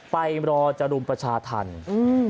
ไปรอจะรุมประชาธรรมอืม